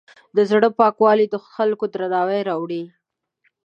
د زړۀ پاکوالی د خلکو درناوی راوړي.